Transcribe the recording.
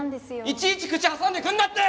いちいち口挟んでくんなって！！